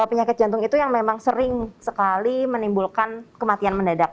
penyakit jantung itu yang memang sering sekali menimbulkan kematian mendadak